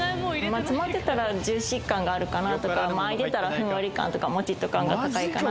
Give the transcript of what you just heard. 詰まってたらジューシー感があるかなとかあいてたらふんわり感とかもちっと感が高いかな